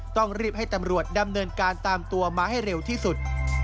ต้องรีบให้ตำรวจดำเนินการตามตัวมาให้เร็วที่สุด